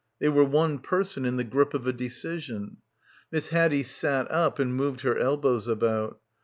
They were one person in the grip of a decision. Miss Haddie sat up and moved her elbows about.